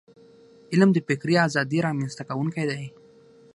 علم د فکري ازادی رامنځته کونکی دی.